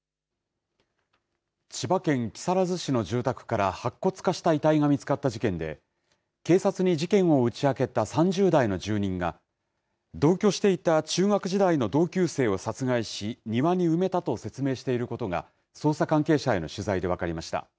千葉県木更津市の住宅から白骨化した遺体が見つかった事件で警察に事件を打ち明けた３０代の住人が同居していた中学時代の同級生を殺害し庭に埋めたと説明していることが捜査関係者への取材で分かりました。